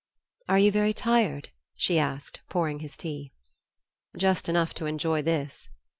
"Are you very tired?" she asked, pouring his tea. "Just enough to enjoy this."